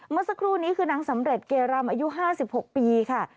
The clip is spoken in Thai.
เมื่อสักครู่นี้คือนางสำเร็จเกรำอายุ๕๖ปีค่ะ